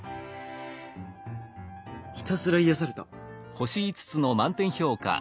「ひたすら癒された！」。